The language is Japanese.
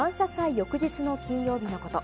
翌日の金曜日のこと。